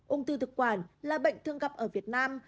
ung thư thực quản là bệnh thường gặp ở việt nam